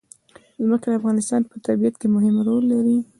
ځمکه د افغانستان په طبیعت کې مهم رول لري.